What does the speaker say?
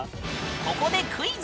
ここでクイズ！